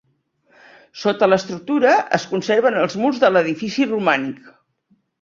Sota l'estructura es conserven els murs de l'edifici romànic.